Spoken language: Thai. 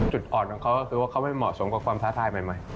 จุดอ่อนของเขาก็คือว่าเขาไม่เหมาะสมกับความท้าทายใหม่